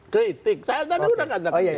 kritik saya nanti udah ngandalkan